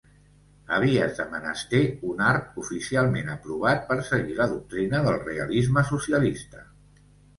Havies de menester un art oficialment aprovat per seguir la doctrina del realisme socialista.